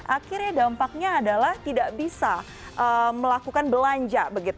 akhirnya dampaknya adalah tidak bisa melakukan belanja